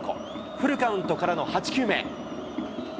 フルカウントからの８球目。